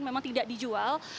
memang tidak dijual